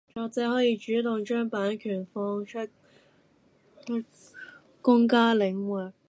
作者可以主動將版權放出去公家領域